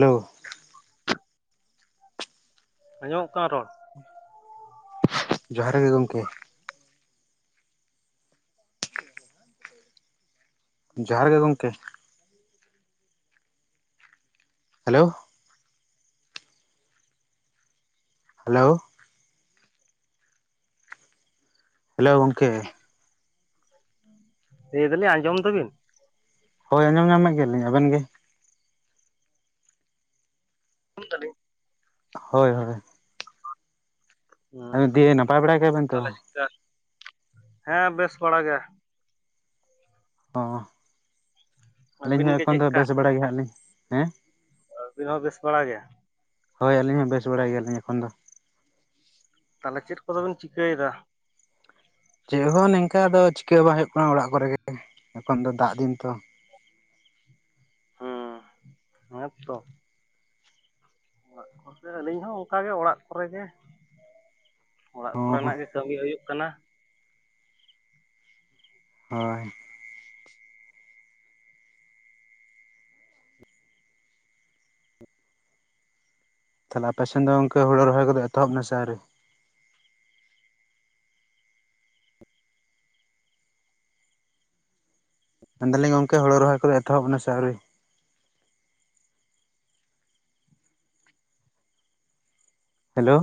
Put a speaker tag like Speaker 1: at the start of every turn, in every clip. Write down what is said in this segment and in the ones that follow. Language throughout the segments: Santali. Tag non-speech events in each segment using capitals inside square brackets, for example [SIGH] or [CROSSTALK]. Speaker 1: ᱦᱮᱞᱳ ᱾
Speaker 2: ᱟᱸᱡᱚᱢᱚᱜ ᱠᱟᱱᱟ ᱨᱚᱲ?
Speaker 1: ᱡᱚᱦᱟᱨ ᱜᱮ ᱜᱚᱝᱠᱮ ᱾ ᱡᱚᱦᱟᱨ ᱜᱮ ᱜᱚᱝᱠᱮ ᱾ ᱦᱮᱞᱳ ᱾ ᱦᱮᱞᱳ ᱾ ᱦᱮᱞᱳ ᱜᱚᱝᱠᱮ ᱾
Speaker 2: ᱞᱟᱹᱭ ᱫᱟᱞᱤᱧ ᱟᱸᱡᱚᱢ ᱫᱟᱵᱤᱱ?
Speaker 1: ᱦᱳᱭ ᱟᱸᱡᱚᱢ ᱧᱟᱢᱮᱫ ᱜᱮᱭᱟᱞᱤᱧ ᱟᱵᱮᱱ ᱜᱮ,
Speaker 2: [INAUDIBLE]
Speaker 1: ᱦᱳᱭ ᱦᱳᱭ ᱾ ᱟᱫᱚ ᱫᱤᱭᱮ ᱱᱟᱯᱟᱭ ᱵᱟᱲᱟ ᱜᱮᱭᱟ ᱵᱮᱱ ᱛᱚ?
Speaker 2: ᱛᱟᱦᱚᱞᱮ ᱪᱮᱫᱠᱟ ᱦᱮᱸ ᱵᱮᱥ ᱵᱟᱲᱟ ᱜᱮ ᱾
Speaker 1: ᱦᱚᱸ ᱟᱹᱞᱤᱧ
Speaker 2: ᱟᱹᱵᱤᱱ
Speaker 1: ᱦᱚᱸ
Speaker 2: ᱜᱮ
Speaker 1: ᱮᱠᱷᱚᱱ ᱫᱚ
Speaker 2: ᱪᱮᱫᱠᱟ
Speaker 1: ᱵᱮᱥ ᱵᱟᱲᱟ ᱜᱮ ᱦᱮᱱᱟᱜ ᱞᱤᱧ ᱦᱮᱸ
Speaker 2: ᱟᱹᱵᱤᱱ ᱦᱚᱸ ᱵᱮᱥ ᱵᱟᱲᱟ ᱜᱮᱭᱟ᱾
Speaker 1: ᱦᱳᱭ ᱟᱹᱞᱤᱧ ᱦᱚᱸ ᱵᱮᱥ ᱵᱟᱲᱟ ᱜᱮᱭᱟᱞᱤᱧ ᱮᱠᱷᱚᱱ ᱫᱚ᱾
Speaker 2: ᱛᱟᱦᱚᱞᱮ ᱪᱮᱫ ᱠᱚᱫᱚ ᱵᱮᱱ ᱪᱤᱠᱟᱹᱭ ᱫᱟ?
Speaker 1: ᱪᱮᱫ ᱦᱚᱸ ᱱᱤᱝᱠᱟ ᱫᱚ ᱪᱤᱠᱟᱹ ᱵᱟᱝ ᱦᱩᱭᱩᱜ ᱠᱟᱱᱟ ᱚᱲᱟᱜ ᱠᱚᱨᱮᱜ ᱜᱮ ᱮᱠᱷᱚᱱ ᱫᱚ ᱫᱟᱜ ᱫᱤᱱ ᱛᱚ ᱾
Speaker 2: ᱦᱩᱸ ᱦᱮᱸ ᱛᱚ ᱾ ᱚᱲᱟᱜ ᱠᱚᱨᱮ ᱟᱹᱞᱤᱧ ᱦᱚᱸ ᱚᱱᱠᱟᱜᱮ ᱚᱲᱟᱜ ᱠᱚᱨᱮ ᱜᱮ ᱚᱲᱟᱜ
Speaker 1: ᱦᱚᱸ
Speaker 2: ᱠᱚᱨᱮᱱᱟᱜ ᱜᱮ ᱠᱟᱹᱢᱤ ᱦᱩᱭᱩᱜ ᱠᱟᱱᱟ ᱾
Speaker 1: ᱦᱳᱭ ᱾ ᱛᱟᱦᱚᱞᱮ ᱟᱯᱮ ᱥᱮᱱ ᱫᱚ ᱜᱚᱝᱠᱮ ᱦᱩᱲᱩ ᱨᱚᱦᱚᱭ ᱠᱚᱫᱚ ᱮᱛᱚᱦᱚᱵ ᱱᱟᱥᱮ ᱟᱹᱶᱨᱤ? ᱢᱮᱱ ᱫᱟᱞᱤᱧ ᱜᱚᱢᱠᱮ ᱦᱳᱲᱳ ᱨᱚᱦᱚᱭ ᱠᱚᱫᱚ ᱮᱛᱚᱦᱚᱵ ᱮᱱᱟ ᱥᱮ ᱟᱹᱣᱨᱤ? ᱦᱮᱞᱳ ᱾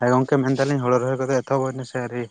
Speaker 1: ᱦᱮᱸ ᱜᱚᱢᱠᱮ ᱢᱮᱱᱫᱟᱞᱤᱧ ᱦᱩᱲᱩ ᱨᱚᱦᱚᱭ ᱠᱚᱫᱚ ᱮᱛᱚᱦᱚᱵ ᱱᱟᱥᱮ ᱟᱹᱶᱨᱤ?